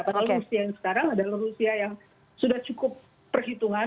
padahal rusia yang sekarang adalah rusia yang sudah cukup perhitungan